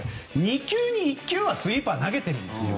２球に１球はスイーパーを投げているんです。